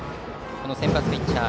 先発ピッチャー